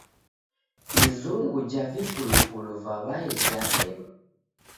Izungu ja vipulupulu va w'ai jaredwa.